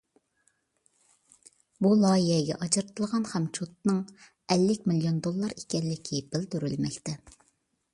بۇ لايىھەگە ئاجرىتىلغان خامچوتنىڭ ئەللىك مىليون دوللار ئىكەنلىكى بىلدۈرۈلمەكتە.